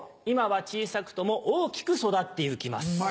今は小さくとも大きく育って行きます。